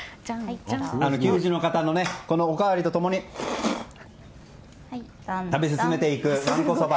給仕の方のおかわりと共に食べ進めていくわんこそば。